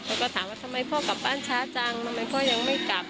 แล้วก็ถามว่าทำไมพ่อกลับบ้านช้าจังทำไมพ่อยังไม่กลับ